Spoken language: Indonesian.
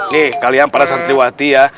nih kalian para santriwati ya